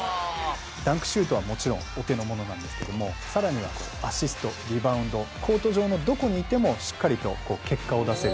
ダンクシュートはもちろんお手のものなんですけどもさらにはアシスト、リバウンドコート上のどこにいてもしっかりと結果を出せる